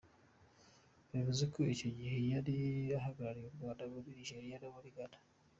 Bivuze ko icyo gihe yari ahagarariye u Rwanda muri Nigeria no muri Ghana.